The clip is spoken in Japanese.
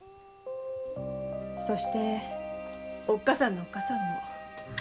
そしておっ母さんのおっ母さんも。